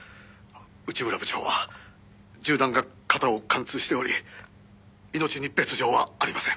内村部長は銃弾が肩を貫通しており命に別条はありません」